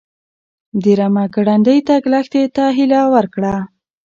د رمه ګړندی تګ لښتې ته هیله ورکړه.